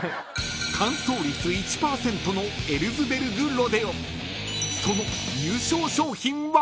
［完走率１％のエルズベルグロデオその］